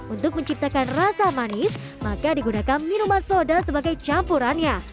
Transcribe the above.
untuk menciptakan rasa manis maka digunakan minuman soda sebagai campurannya